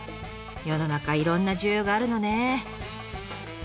世の中いろんな需要があるのね。